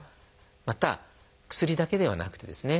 また薬だけではなくてですね